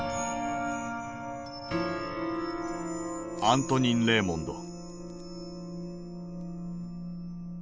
アントニン・レーモンド。